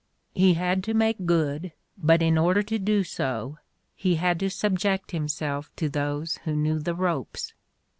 He had to "make good," but in order to do so he had to subject himself to those who knew the ropes.